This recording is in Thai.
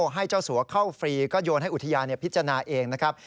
ให้เจ้าสัวเข้าฟรีก็โยนให้อุทยานพิจารณาเองนะครับ